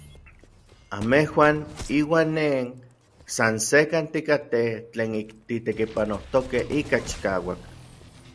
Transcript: Anmejuan iuan nej san sekkan tikatej tlen ik titekipanojtokej ika chikauak.